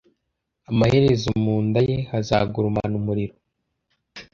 amaherezo mu nda ye hazagurumana umuriro